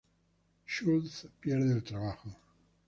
Schulz pierde el trabajo.